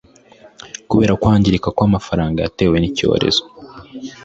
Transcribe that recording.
kubera kwangirika kwamafaranga yatewe nicyorezo